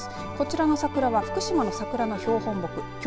こちらの福島の桜の標本木。